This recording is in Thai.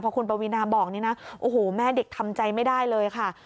คุณปวีนาบอกนี่นะโอ้โหแม่เด็กทำใจไม่ได้เลยค่ะ